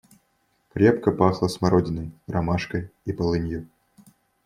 Крепко пахло смородиной, ромашкой и полынью.